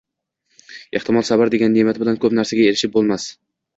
Ehtimol sabr degan neʼmat bilan koʻp narsaga erishib boʻlmas.